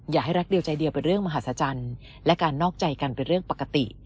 อยากให้รักเดียวใจเดียวเป็นเรื่องมหาศจรรย์และการนอกใจกันเป็นเรื่องปกติ